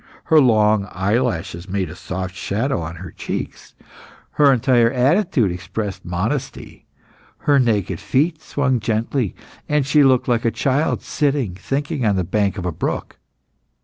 Her long eyelashes made a soft shadow on her cheeks. Her entire attitude expressed modesty; her naked feet swung gently, and she looked like a child sitting thinking on the bank of a brook.